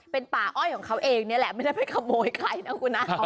เป็นป่าอ้อยของเขาเองนี่แหละไม่ได้ไปขโมยไข่นะคุณนะ